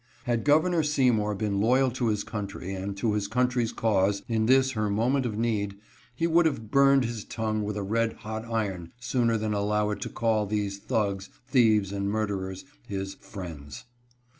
Had Governor Seymour been loyal to his country, and to his country's cause, in this her moment of need, he would have burned his tongue with a red hot iron sooner than allow it to call these thugs, thieves, and murderers his " friends."